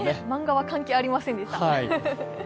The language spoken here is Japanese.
漫画は関係ありませんでした。